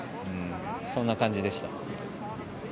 そんな感じでした。